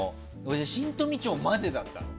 新富町までだったの。